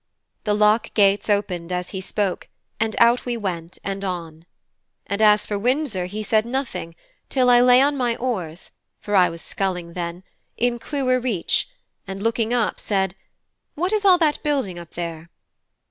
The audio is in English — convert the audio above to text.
The lock gates opened as he spoke, and out we went, and on. And as for Windsor, he said nothing till I lay on my oars (for I was sculling then) in Clewer reach, and looking up, said, "What is all that building up there?"